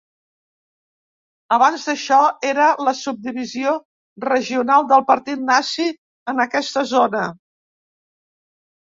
Abans d'això era la subdivisió regional del partit nazi en aquesta zona.